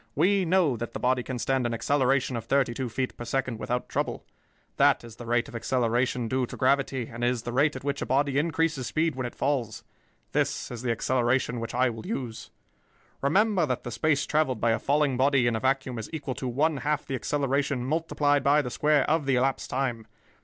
We know that the body can stand an acceleration of thirty two feet per second without trouble. That is the rate of acceleration due to gravity and is the rate at which a body increases speed when it falls. This is the acceleration which I will use. "Remember that the space traveled by a falling body in a vacuum is equal to one half the acceleration multiplied by the square of the elapsed time.